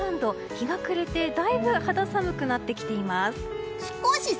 日が暮れてだいぶ肌寒くなってきています。